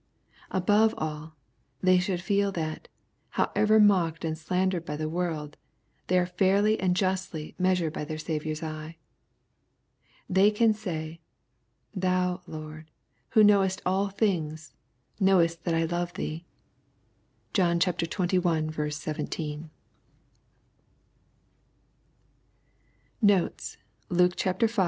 Above aU, they should feel that, however mocked and slandered by the world, they are fairly and justly measured by their Saviour's eye. They can say, " Thou, Lord, who knowest all things, knowest that I love Thee." (John xxi. 17.) Notes. Luke V.